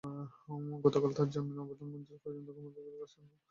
গতকাল তাঁর জামিন আবেদন মঞ্জুর করেছেন ঢাকার মহানগর হাকিম আসাদুজ্জামান নুর।